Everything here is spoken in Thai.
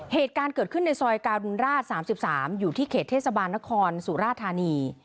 เหตุการณ์เกิดขึ้นในซอยการุณราช๓๓อยู่ที่เขตเทศบาลนครสุราธานี